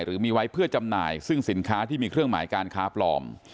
หรือมีไว้เพื่อจำหน่ายซึ่งสินค้าที่มีเครื่องหมายการค้าปลอม